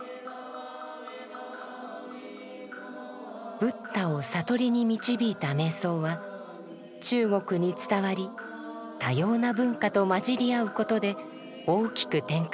ブッダを悟りに導いた瞑想は中国に伝わり多様な文化と混じり合うことで大きく展開します。